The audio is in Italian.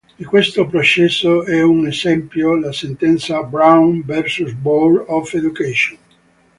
Di questo processo è un esempio la sentenza Brown v. Board of Education.